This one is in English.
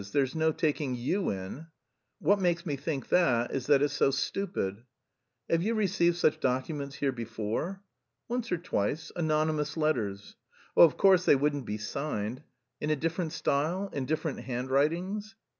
There's no taking you in." "What makes me think that is that it's so stupid." "Have you received such documents here before?" "Once or twice, anonymous letters." "Oh, of course they wouldn't be signed. In a different style? In different handwritings?"